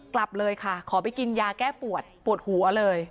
กลับเลยค่ะขอไปกินยาแก้ปวดปวดหัวเลย